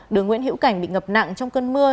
đường nguyễn hiễu cảnh bị ngập nặng trong cơn mưa